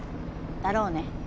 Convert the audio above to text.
だろうね。